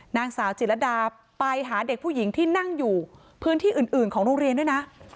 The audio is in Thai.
นางสาวจิรดาไปหาเด็กผู้หญิงที่นั่งอยู่พื้นที่อื่นของโรงเรียนด้วยนะ